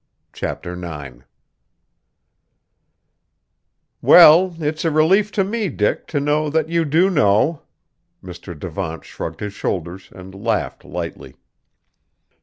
CHAPTER IX "Well, it's a relief to me, Dick, to know that you do know!" Mr. Devant shrugged his shoulders, and laughed lightly.